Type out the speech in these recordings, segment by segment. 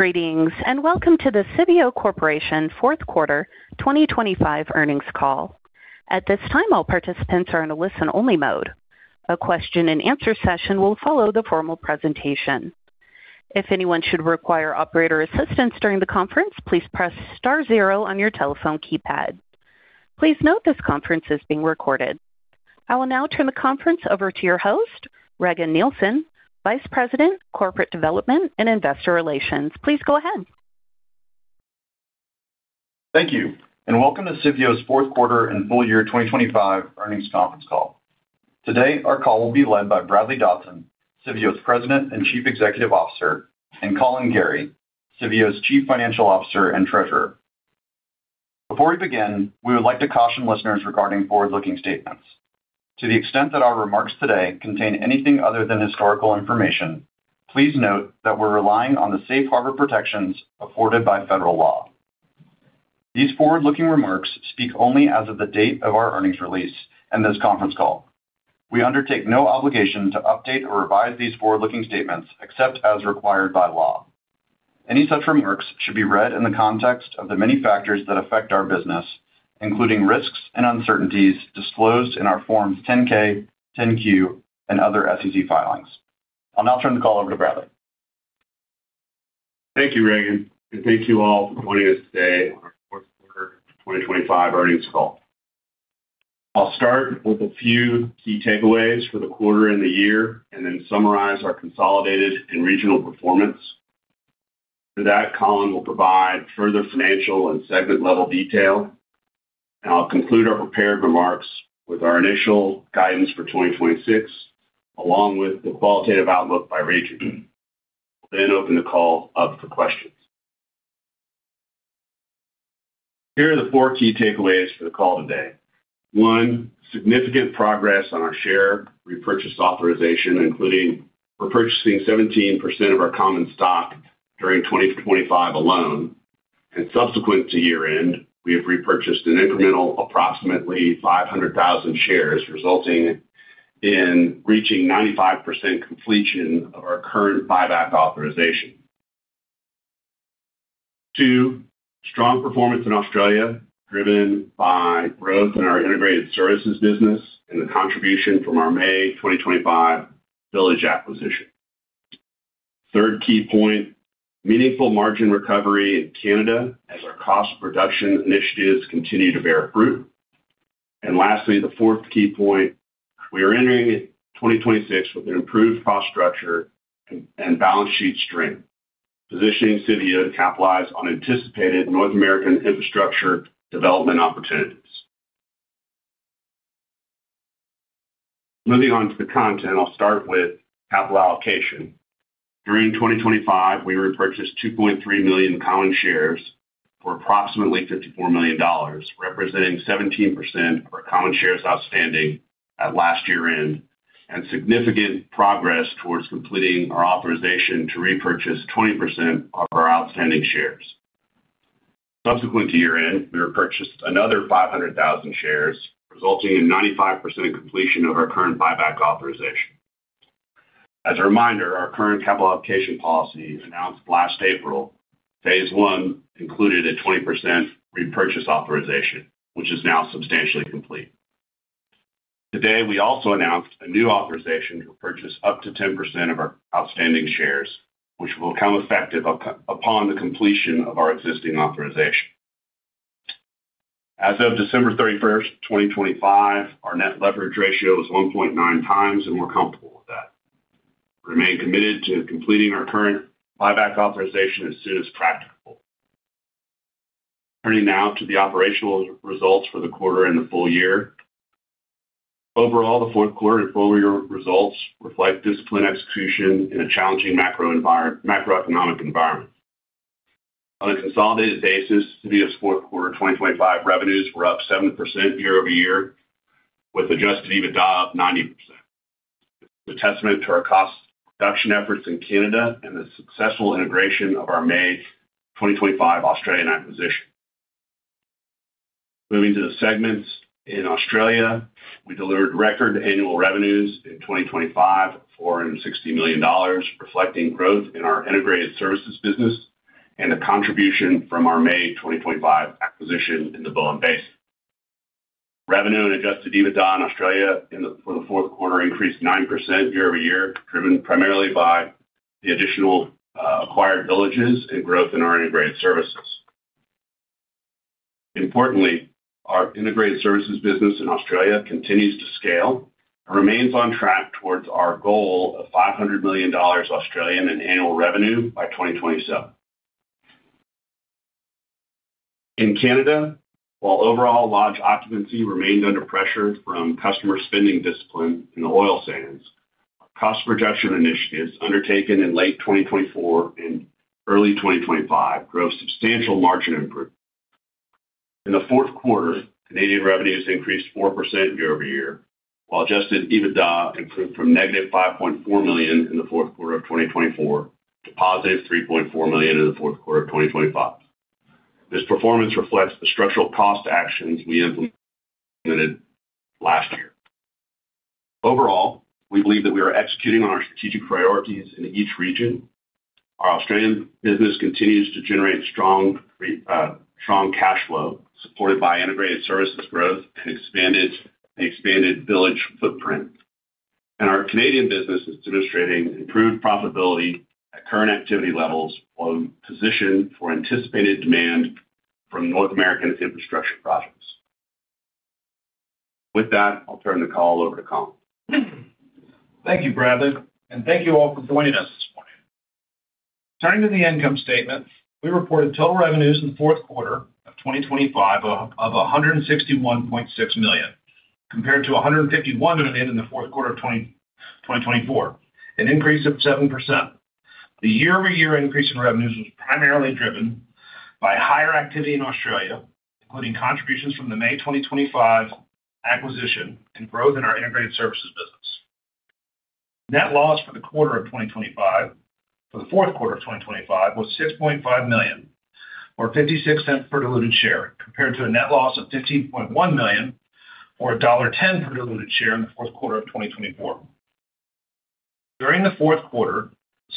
Greetings, and welcome to the Civeo Corporation fourth quarter 2025 earnings call. At this time, all participants are in a listen-only mode. A question and answer session will follow the formal presentation. If anyone should require operator assistance during the conference, please press star zero on your telephone keypad. Please note this conference is being recorded. I will now turn the conference over to your host, Regan Nielsen, Vice President, Corporate Development and Investor Relations. Please go ahead. Thank you. Welcome to Civeo's fourth quarter and full year 2025 earnings conference call. Today, our call will be led by Bradley Dodson, Civeo's President and Chief Executive Officer, and E. Collin Gerry, Civeo's Chief Financial Officer and Treasurer. Before we begin, we would like to caution listeners regarding forward-looking statements. To the extent that our remarks today contain anything other than historical information, please note that we're relying on the safe harbor protections afforded by federal law. These forward-looking remarks speak only as of the date of our earnings release and this conference call. We undertake no obligation to update or revise these forward-looking statements except as required by law. Any such remarks should be read in the context of the many factors that affect our business, including risks and uncertainties disclosed in our Forms 10-K, 10-Q, and other SEC filings. I'll now turn the call over to Bradley. Thank you, Regan, and thank you all for joining us today on our fourth quarter 2025 earnings call. I'll start with a few key takeaways for the quarter and the year, then summarize our consolidated and regional performance. After that, Collin will provide further financial and segment-level detail. I'll conclude our prepared remarks with our initial guidance for 2026, along with the qualitative outlook by region, then open the call up for questions. Here are the four key takeaways for the call today. One, significant progress on our share repurchase authorization, including repurchasing 17% of our common stock during 2025 alone. Subsequent to year-end, we have repurchased an incremental approximately 500,000 shares, resulting in reaching 95% completion of our current buyback authorization. Two, strong performance in Australia, driven by growth in our integrated services business and the contribution from our May 2025 village acquisition. Third key point, meaningful margin recovery in Canada as our cost reduction initiatives continue to bear fruit. Lastly, the fourth key point, we are entering 2026 with an improved cost structure and balance sheet strength, positioning Civeo to capitalize on anticipated North American infrastructure development opportunities. Moving on to the content, I'll start with capital allocation. During 2025, we repurchased 2.3 million common shares for approximately $54 million, representing 17% of our common shares outstanding at last year-end. Significant progress towards completing our authorization to repurchase 20% of our outstanding shares. Subsequent to year-end, we repurchased another 500,000 shares, resulting in 95% completion of our current buyback authorization. As a reminder, our current capital allocation policy announced last April, phase one included a 20% repurchase authorization, which is now substantially complete. Today, we also announced a new authorization to purchase up to 10% of our outstanding shares, which will become effective upon the completion of our existing authorization. As of December 31, 2025, our net leverage ratio is 1.9 times, and we're comfortable with that. We remain committed to completing our current buyback authorization as soon as practical. Turning now to the operational results for the quarter and the full year. Overall, the fourth quarter full-year results reflect disciplined execution in a challenging macroeconomic environment. On a consolidated basis, Civeo's fourth quarter 2025 revenues were up 7% year-over-year, with adjusted EBITDA up 90%. It's a testament to our cost reduction efforts in Canada and the successful integration of our May 2025 Australian acquisition. Moving to the segments. In Australia, we delivered record annual revenues in 2025, 460 million dollars, reflecting growth in our integrated services business and the contribution from our May 2025 acquisition in the Bowen Basin. Revenue and adjusted EBITDA in Australia for the fourth quarter increased 9% year-over-year, driven primarily by the additional acquired villages and growth in our integrated services. Importantly, our integrated services business in Australia continues to scale and remains on track towards our goal of 500 million Australian dollars in annual revenue by 2027. In Canada, while overall lodge occupancy remained under pressure from customer spending discipline in the oil sands, cost reduction initiatives undertaken in late 2024 and early 2025 drove substantial margin improvement. In the fourth quarter, Canadian revenues increased 4% year-over-year, while adjusted EBITDA improved from -$5.4 million CAD in the fourth quarter of 2024 to $3.4 million CAD in the fourth quarter of 2025. This performance reflects the structural cost actions we implemented last year. Overall, we believe that we are executing on our strategic priorities in each region. Our Australian business continues to generate strong cash flow, supported by integrated services growth and expanded village footprint. Our Canadian business is demonstrating improved profitability at current activity levels while positioned for anticipated demand from North American infrastructure projects. With that, I'll turn the call over to Collin. Thank you, Bradley, and thank you all for joining us this morning. Turning to the income statement. We reported total revenues in the fourth quarter of 2025 of $161.6 million, compared to $151 million in the fourth quarter of 2024, an increase of 7%. The year-over-year increase in revenues was primarily driven by higher activity in Australia, including contributions from the May 2025 acquisition and growth in our integrated services business. Net loss for the fourth quarter of 2025 was $6.5 million, or $0.56 per diluted share, compared to a net loss of $15.1 million or $1.10 per diluted share in the fourth quarter of 2024.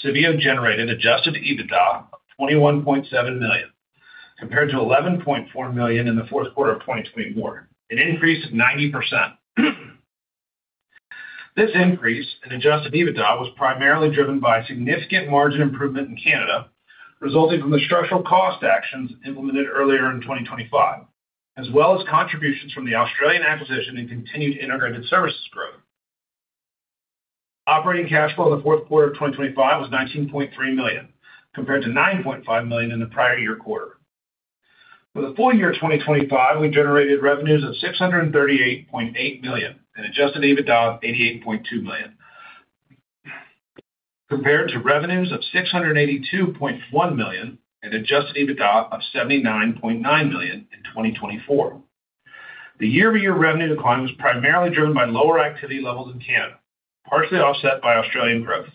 During the fourth quarter, Civeo generated adjusted EBITDA of $21.7 million, compared to $11.4 million in the fourth quarter of 2024, an increase of 90%. This increase in adjusted EBITDA was primarily driven by significant margin improvement in Canada, resulting from the structural cost actions implemented earlier in 2025, as well as contributions from the Australian acquisition and continued integrated services growth. Operating cash flow in the fourth quarter of 2025 was $19.3 million, compared to $9.5 million in the prior year quarter. For the full year 2025, we generated revenues of $638.8 million and adjusted EBITDA of $88.2 million, compared to revenues of $682.1 million and adjusted EBITDA of $79.9 million in 2024. The year-over-year revenue decline was primarily driven by lower activity levels in Canada, partially offset by Australian growth,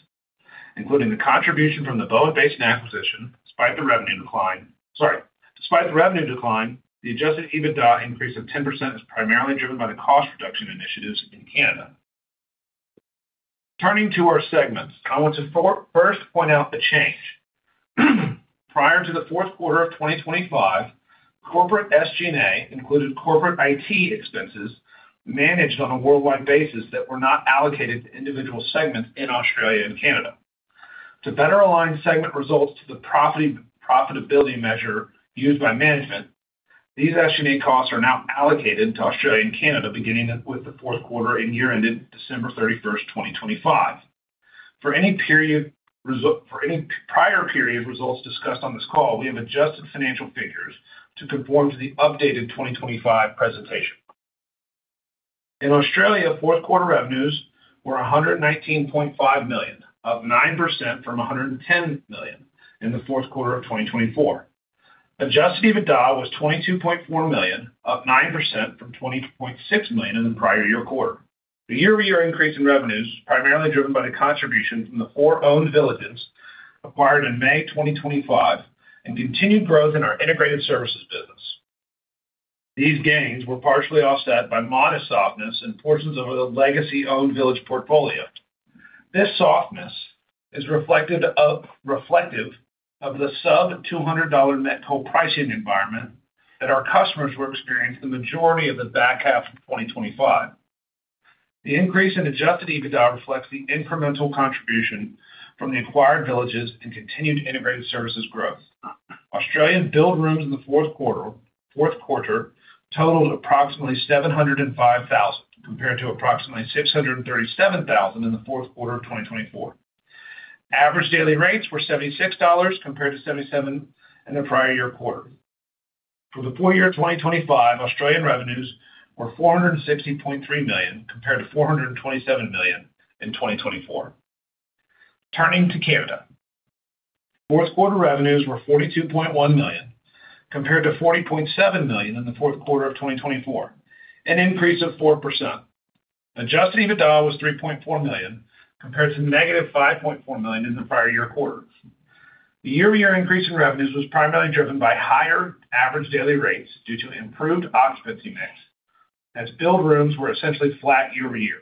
including the contribution from the Bowen Basin acquisition despite the revenue decline. Sorry. Despite the revenue decline, the adjusted EBITDA increase of 10% is primarily driven by the cost reduction initiatives in Canada. Turning to our segments, I want to first point out the change. Prior to the fourth quarter of 2025, corporate SG&A included corporate IT expenses managed on a worldwide basis that were not allocated to individual segments in Australia and Canada. To better align segment results to the profitability measure used by management, these SG&A costs are now allocated to Australia and Canada beginning with the fourth quarter and year ending December 31st, 2025. For any prior period results discussed on this call, we have adjusted financial figures to conform to the updated 2025 presentation. In Australia, fourth quarter revenues were 119.5 million, up 9% from 110 million in the fourth quarter of 2024. Adjusted EBITDA was 22.4 million, up 9% from 20.6 million in the prior year quarter. The year-over-year increase in revenues was primarily driven by the contribution from the four owned villages acquired in May 2025 and continued growth in our integrated services business. These gains were partially offset by modest softness in portions of the legacy owned village portfolio. This softness is reflective of the sub-$200 met coal pricing environment that our customers will experience the majority of the back half of 2025. The increase in adjusted EBITDA reflects the incremental contribution from the acquired villages and continued integrated services growth. Australian billed rooms in the fourth quarter totaled approximately 705,000, compared to approximately 637,000 in the fourth quarter of 2024. Average daily rates were $76 compared to $77 in the prior year quarter. For the full year 2025, Australian revenues were $460.3 million, compared to $427 million in 2024. Turning to Canada. Fourth quarter revenues were $42.1 million, compared to $40.7 million in the fourth quarter of 2024, an increase of 4%. Adjusted EBITDA was $3.4 million, compared to negative $5.4 million in the prior year quarter. The year-over-year increase in revenues was primarily driven by higher average daily rates due to improved occupancy mix as billed rooms were essentially flat year-over-year.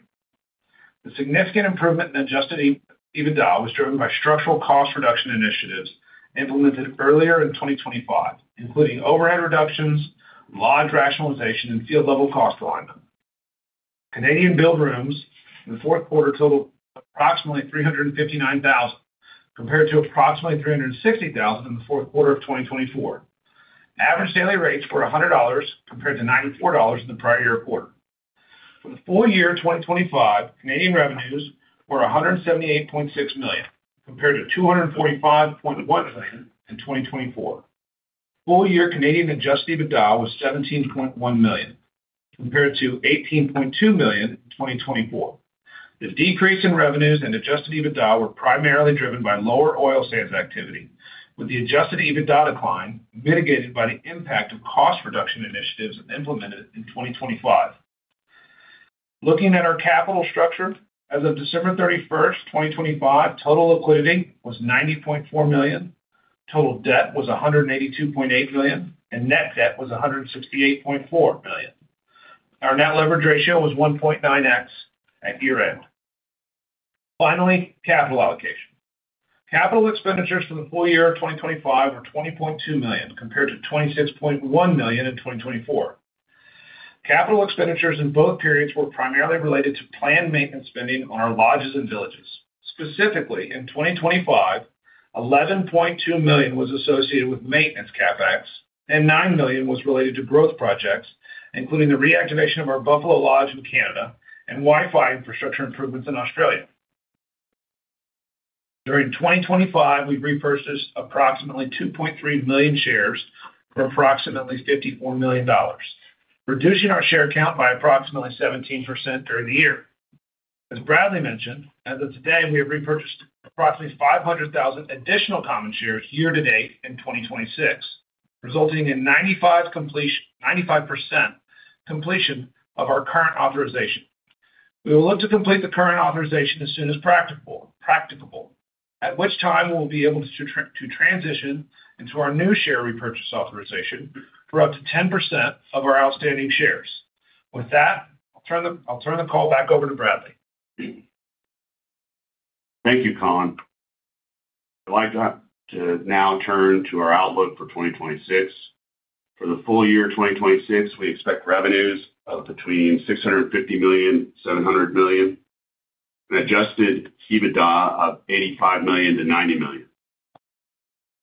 The significant improvement in adjusted EBITDA was driven by structural cost reduction initiatives implemented earlier in 2025, including overhead reductions, lodge rationalization and field level cost alignment. Canadian billed rooms in the fourth quarter totaled approximately 359,000, compared to approximately 360,000 in the fourth quarter of 2024. Average daily rates were $100 compared to $94 in the prior year quarter. For the full year 2025, Canadian revenues were CAD 178.6 million, compared to CAD 245.1 million in 2024. Full year Canadian adjusted EBITDA was CAD 17.1 million, compared to CAD 18.2 million in 2024. The decrease in revenues and adjusted EBITDA were primarily driven by lower oil sands activity, with the adjusted EBITDA decline mitigated by the impact of cost reduction initiatives implemented in 2025. Looking at our capital structure. As of December 31st, 2025, total liquidity was $90.4 million. Total debt was $182.8 million and net debt was $168.4 million. Our net leverage ratio was 1.9x at year-end. Capital allocation. Capital expenditures for the full year 2025 are $20.2 million compared to $26.1 million in 2024. Capital expenditures in both periods were primarily related to planned maintenance spending on our lodges and villages. Specifically, in 2025, $11.2 million was associated with maintenance CapEx and $9 million was related to growth projects, including the reactivation of our Buffalo Lodge in Canada and Wi-Fi infrastructure improvements in Australia. During 2025, we repurchased approximately 2.3 million shares for approximately $54 million, reducing our share count by approximately 17% during the year. As Bradley mentioned, as of today, we have repurchased approximately 500,000 additional common shares year to date in 2026, resulting in 95% completion of our current authorization. We will look to complete the current authorization as soon as practicable, at which time we'll be able to transition into our new share repurchase authorization for up to 10% of our outstanding shares. With that, I'll turn the call back over to Bradley. Thank you, Collin. I'd like to now turn to our outlook for 2026. For the full year 2026, we expect revenues of between $650 million-$700 million, and adjusted EBITDA of $85 million-$90 million.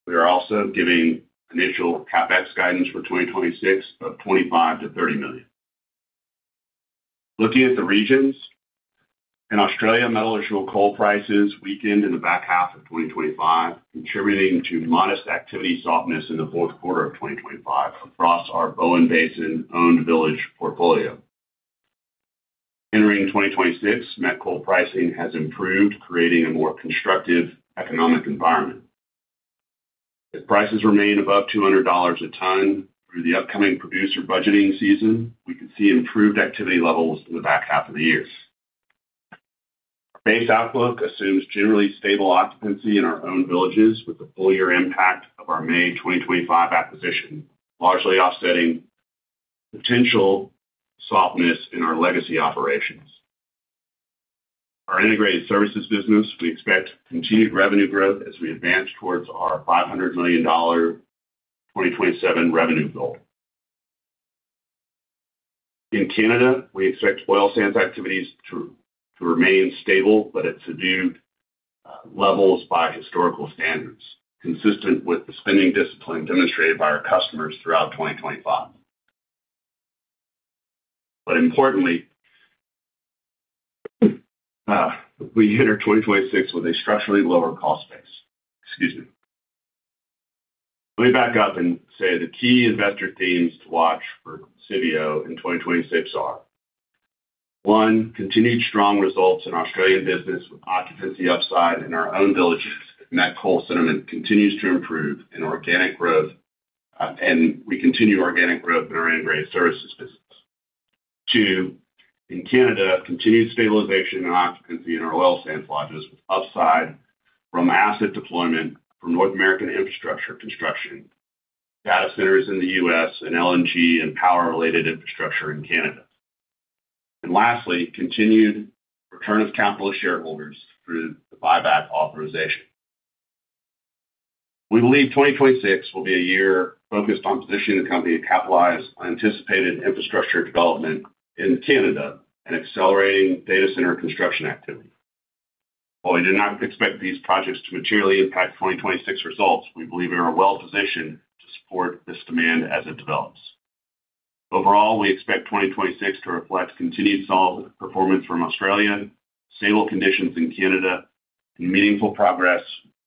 We are also giving initial CapEx guidance for 2026 of $25 million-$30 million. Looking at the regions. In Australia, metallurgical coal prices weakened in the back half of 2025, contributing to modest activity softness in the fourth quarter of 2025 across our Bowen Basin owned village portfolio. Entering 2026, met coal pricing has improved, creating a more constructive economic environment. If prices remain above $200 a ton through the upcoming producer budgeting season, we could see improved activity levels in the back half of the year. Our base outlook assumes generally stable occupancy in our own villages with the full year impact of our May 2025 acquisition, largely offsetting potential softness in our legacy operations. Our Integrated Services business, we expect continued revenue growth as we advance towards our $500 million 2027 revenue goal. In Canada, we expect oil sands activities to remain stable, but at subdued levels by historical standards, consistent with the spending discipline demonstrated by our customers throughout 2025. Importantly, we hit our 2026 with a structurally lower cost base. Excuse me. Let me back up and say the key investor themes to watch for Civeo in 2026 are: one, continued strong results in Australian business with occupancy upside in our own villages, met coal sentiment continues to improve and organic growth, and we continue organic growth in our integrated services business. Two, in Canada, continued stabilization and occupancy in our oil sands lodges with upside from asset deployment from North American infrastructure construction, data centers in the U.S. and LNG and power-related infrastructure in Canada. Lastly, continued return of capital to shareholders through the buyback authorization. We believe 2026 will be a year focused on positioning the company to capitalize on anticipated infrastructure development in Canada and accelerating data center construction activity. While we do not expect these projects to materially impact 2026 results, we believe we are well positioned to support this demand as it develops. Overall, we expect 2026 to reflect continued solid performance from Australia, stable conditions in Canada, and meaningful progress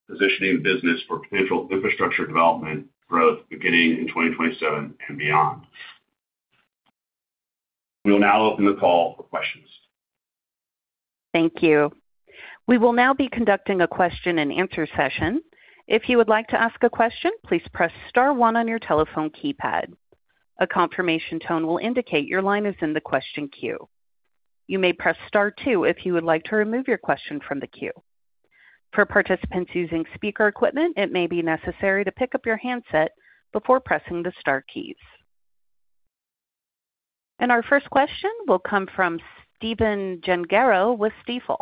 positioning the business for potential infrastructure development growth beginning in 2027 and beyond. We will now open the call for questions. Thank you. We will now be conducting a question and answer session. If you would like to ask a question, please press star one on your telephone keypad. A confirmation tone will indicate your line is in the question queue. You may press star two if you would like to remove your question from the queue. For participants using speaker equipment, it may be necessary to pick up your handset before pressing the star keys. Our first question will come from Stephen Gengaro with Stifel.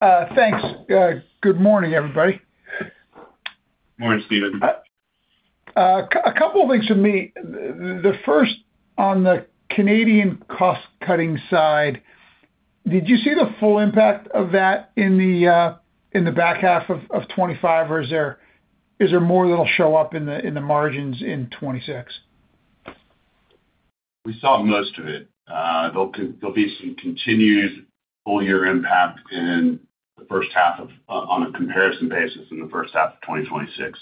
Thanks. Good morning, everybody. Morning, Steven. A couple of things from me. The first on the Canadian cost-cutting side, did you see the full impact of that in the back half of 2025? Or is there more that'll show up in the margins in 2026? We saw most of it. There'll be some continued full-year impact in the first half of on a comparison basis in the first half of 2026.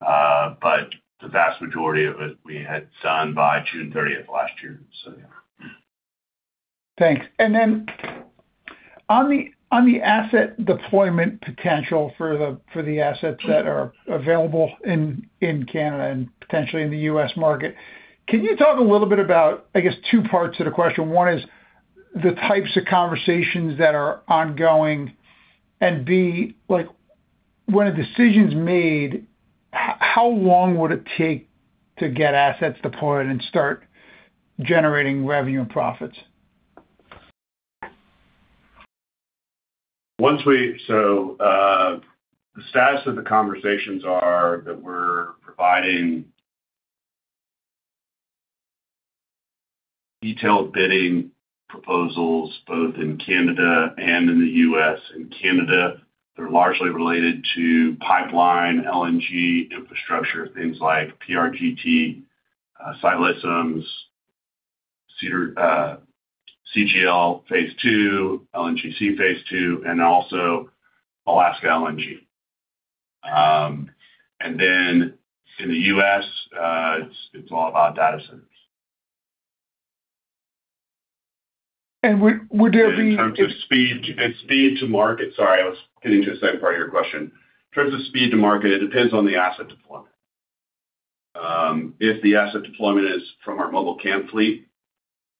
But the vast majority of it we had done by June 30th last year. Yeah. Thanks. On the asset deployment potential for the assets that are available in Canada and potentially in the U.S. market, can you talk a little bit about, I guess, two parts to the question. One is the types of conversations that are ongoing and B, like when a decision is made, how long would it take to get assets deployed and start generating revenue and profits? The status of the conversations are that we're providing detailed bidding proposals both in Canada and in the U.S. In Canada, they're largely related to pipeline LNG infrastructure, things like PRGT, Ksi Lisims, Cedar, CGL phase II, LNGC phase II, and also Alaska LNG. In the U.S., it's all about data centers. Would there. In terms of speed to market. Sorry, I was getting to the second part of your question. In terms of speed to market, it depends on the asset deployment. If the asset deployment is from our mobile camp fleet,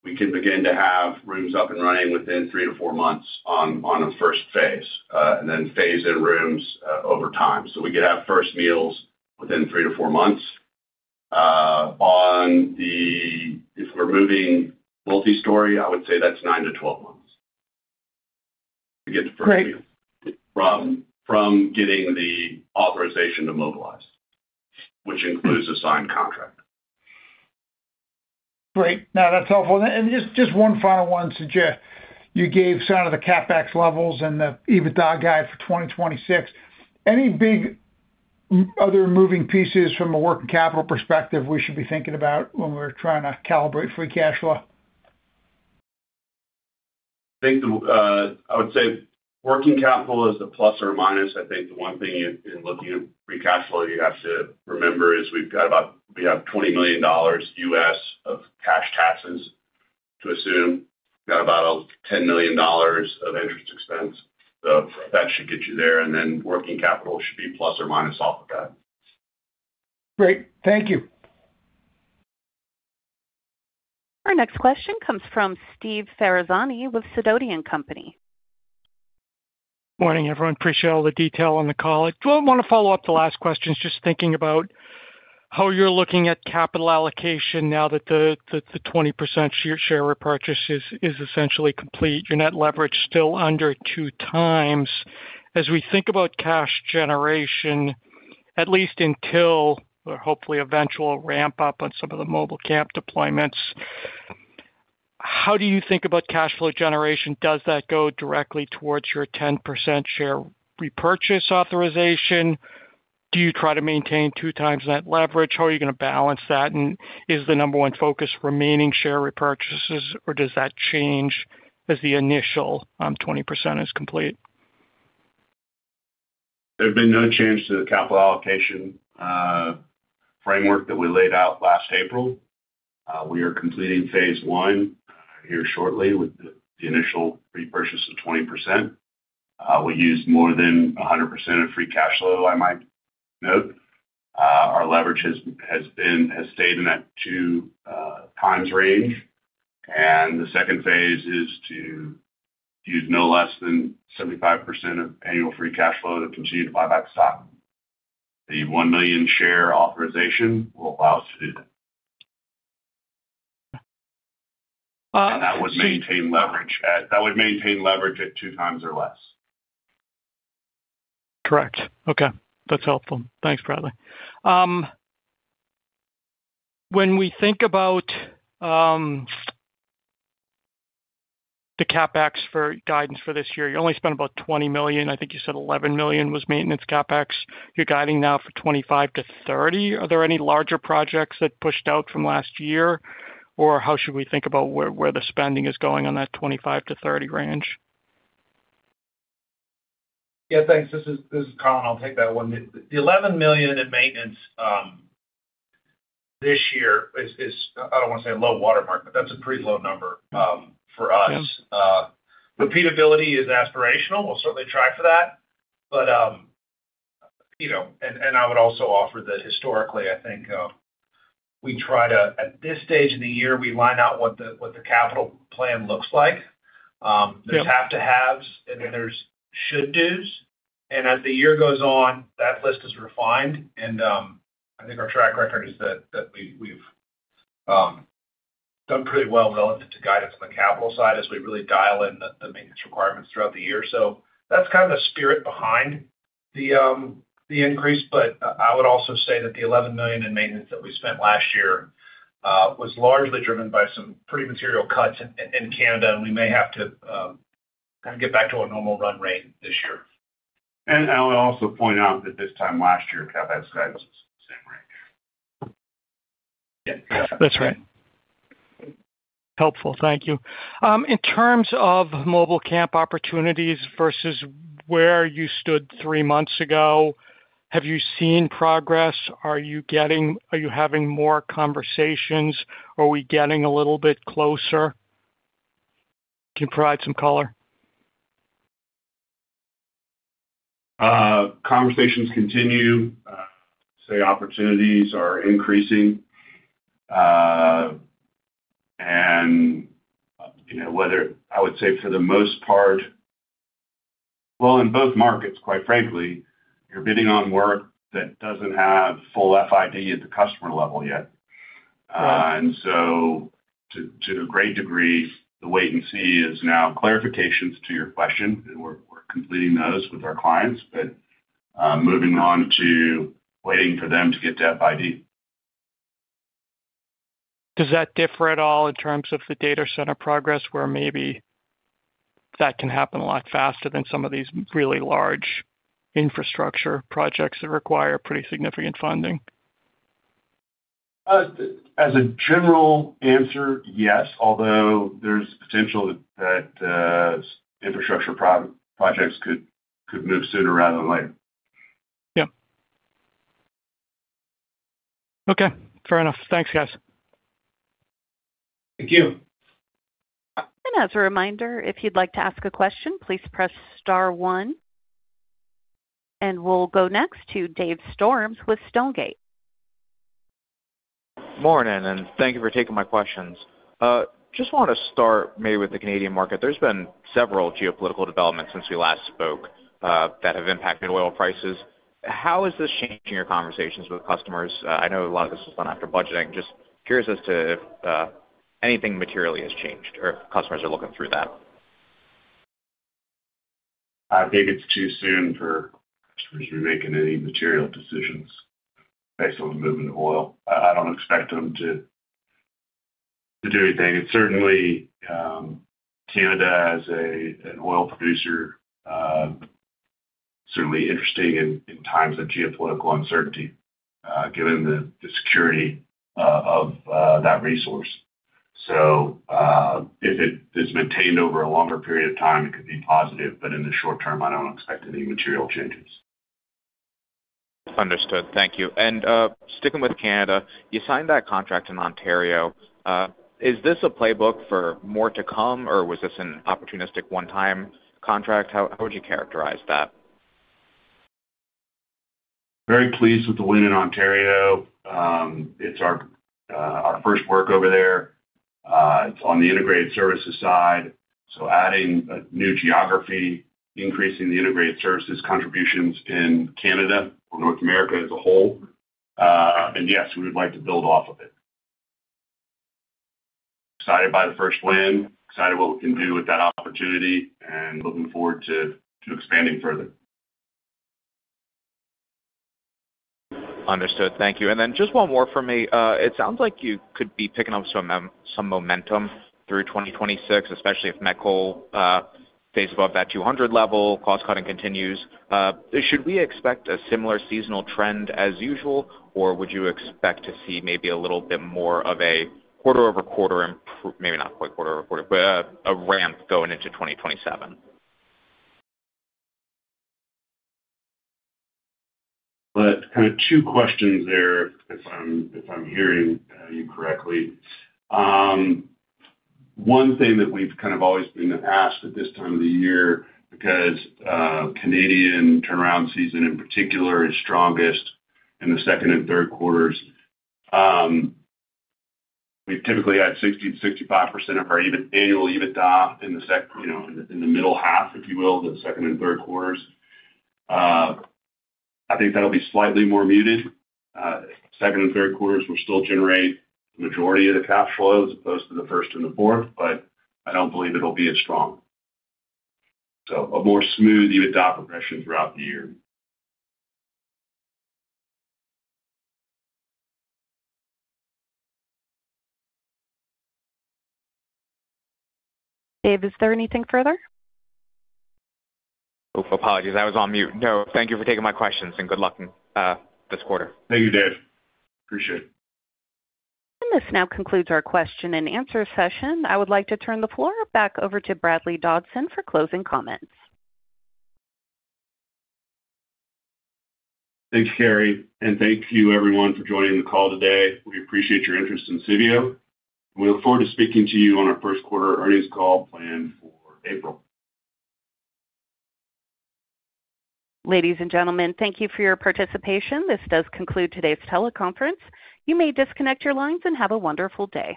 we can begin to have rooms up and running within three to four months on a first phase, and then phase in rooms over time. We could have first meals within three to four months. If we're moving multi-story, I would say that's nine to 12 months to get the first meal. Right. From getting the authorization to mobilize, which includes a signed contract. Great. No, that's helpful. Just one final one. Jeff, you gave some of the CapEx levels and the EBITDA guide for 2026. Any big other moving pieces from a working capital perspective we should be thinking about when we're trying to calibrate free cash flow? I think the, I would say working capital is a plus or minus. I think the one thing in looking at free cash flow you have to remember is we have $20 million of cash taxes to assume. We've got about $10 million of interest expense. That should get you there, and then working capital should be plus or minus off of that. Great. Thank you. Our next question comes from Steve Ferazani with Sidoti & Company. Morning, everyone. Appreciate all the detail on the call. I do want to follow up the last questions, just thinking about how you're looking at capital allocation now that the 20% share repurchase is essentially complete. Your net leverage still under two times. As we think about cash generation, at least until or hopefully eventual ramp up on some of the mobile camp deployments, how do you think about cash flow generation? Does that go directly towards your 10% share repurchase authorization? Do you try to maintain two times net leverage? How are you going to balance that? Is the number one focus remaining share repurchases, or does that change as the initial 20% is complete? There's been no change to the capital allocation framework that we laid out last April. We are completing phase one here shortly with the initial repurchase of 20%. We used more than 100% of free cash flow, I might note. Our leverage has stayed in that two times range. The second phase is to use no less than 75% of annual free cash flow to continue to buy back stock. The 1 million share authorization will allow us to do that. Uh- That would maintain leverage at two times or less. Correct. Okay. That's helpful. Thanks, Bradley. When we think about the CapEx for guidance for this year, you only spent about $20 million. I think you said $11 million was maintenance CapEx. You're guiding now for $25 million-$30 million. Are there any larger projects that pushed out from last year? Or how should we think about where the spending is going on that $25 million-$30 million range? Yeah, thanks. This is Collin. I'll take that one. The $11 million in maintenance this year is, I don't want to say a low watermark, but that's a pretty low number for us. Yeah. Repeatability is aspirational. We'll certainly try for that. You know, and I would also offer that historically, I think, at this stage in the year, we line out what the, what the capital plan looks like. Yeah. There's have-to-haves, and then there's should-dos. As the year goes on, that list is refined. I think our track record is that we've done pretty well relative to guidance on the capital side as we really dial in the maintenance requirements throughout the year. That's kind of the spirit behind the increase. I would also say that the $11 million in maintenance that we spent last year was largely driven by some pretty material cuts in Canada, and we may have to kind of get back to a normal run rate this year. I'll also point out that this time last year, CapEx guidance was the same range. That's right. Helpful. Thank you. In terms of mobile camp opportunities versus where you stood three months ago, have you seen progress? Are you having more conversations? Are we getting a little bit closer? Can you provide some color? Conversations continue. Say opportunities are increasing. Whether I would say for the most part... Well, in both markets, quite frankly, you're bidding on work that doesn't have full FID at the customer level yet. To a great degree, the wait and see is now clarifications to your question, and we're completing those with our clients, but moving on to waiting for them to get to FID. Does that differ at all in terms of the data center progress, where maybe that can happen a lot faster than some of these really large infrastructure projects that require pretty significant funding? As a general answer, yes. There's potential that infrastructure projects could move sooner rather than later. Yeah. Okay. Fair enough. Thanks, guys. Thank you. As a reminder, if you'd like to ask a question, please press star one. We'll go next to David Storms with Stonegate. Morning, thank you for taking my questions. Just wanna start maybe with the Canadian market. There's been several geopolitical developments since we last spoke that have impacted oil prices. How is this changing your conversations with customers? I know a lot of this is done after budgeting. Just curious as to if anything materially has changed or customers are looking through that. I think it's too soon for customers to be making any material decisions based on the movement of oil. I don't expect them to do anything. Certainly Canada as an oil producer, certainly interesting in times of geopolitical uncertainty, given the security of that resource. If it is maintained over a longer period of time, it could be positive, but in the short term, I don't expect any material changes. Understood. Thank you. Sticking with Canada, you signed that contract in Ontario. Is this a playbook for more to come, or was this an opportunistic one-time contract? How would you characterize that? Very pleased with the win in Ontario. It's our first work over there. It's on the integrated services side, so adding a new geography, increasing the integrated services contributions in Canada or North America as a whole. We would like to build off of it. Excited by the first win, excited what we can do with that opportunity, and looking forward to expanding further. Understood. Thank you. Just one more for me. It sounds like you could be picking up some momentum through 2026, especially if met coal stays above that 200 level, cost cutting continues. Should we expect a similar seasonal trend as usual, or would you expect to see maybe a little bit more of a quarter-over-quarter, maybe not quite quarter-over-quarter, but a ramp going into 2027? That's kinda two questions there, if I'm hearing you correctly. One thing that we've kind of always been asked at this time of the year, because Canadian turnaround season in particular is strongest in the second and third quarters. We've typically had 60%-65% of our annual EBITDA in the middle half, if you will, the second and third quarters. I think that'll be slightly more muted. Second and third quarters will still generate the majority of the cash flows as opposed to the first and the fourth, but I don't believe it'll be as strong. A more smooth EBITDA progression throughout the year. Dave, is there anything further? Apologies. I was on mute. Thank you for taking my questions, and good luck, this quarter. Thank you, Dave. Appreciate it. This now concludes our question and answer session. I would like to turn the floor back over to Bradley Dodson for closing comments. Thanks, Carrie. Thank you everyone for joining the call today. We appreciate your interest in Civeo. We look forward to speaking to you on our first quarter earnings call planned for April. Ladies and gentlemen, thank you for your participation. This does conclude today's teleconference. You may disconnect your lines and have a wonderful day.